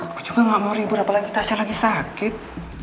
aku juga gak mau ribut apalagi tasia lagi sakit